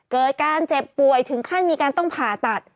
เกิดการเจ็บป่วยถึงขั้นมีการต้องผ่าตัด